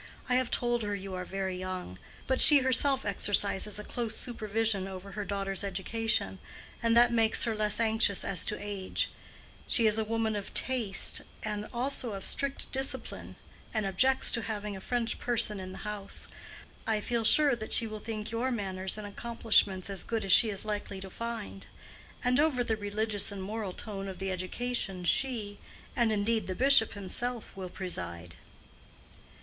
I have told her you are very young. But she herself exercises a close supervision over her daughters' education, and that makes her less anxious as to age. She is a woman of taste and also of strict principle, and objects to having a French person in the house. I feel sure that she will think your manners and accomplishments as good as she is likely to find; and over the religious and moral tone of the education she, and indeed the bishop himself, will preside."